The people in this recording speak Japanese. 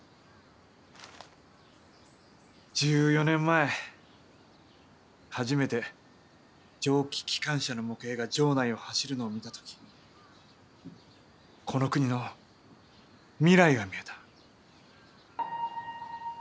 １４年前初めて蒸気機関車の模型が城内を走るのを見た時この国の未来が見えた。